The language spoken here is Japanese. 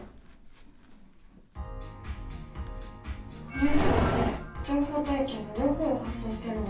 ニュースって情報と意見の両方を発信してるんだね。